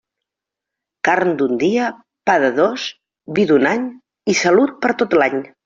Carn d'un dia, pa de dos, vi d'un any i salut per tot l'any.